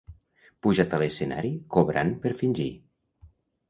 Pujat a l'escenari cobrant per fingir.